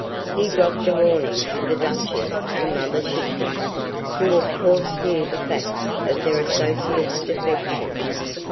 He dropped a warning to the Duchess and Mother Shipton, who of course knew the facts of their associate's defection.